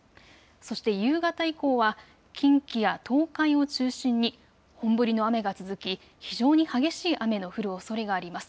そして夕方以降は近畿や東海を中心に本降りの雨が続き非常に激しい雨の降るおそれがあります。